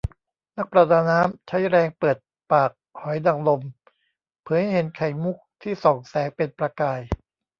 นักประดาน้ำ ใช้แรงเปิดปากหอยนางลม เผยให้เห็นไข่มุขที่ส่องแสงเป็นประกาย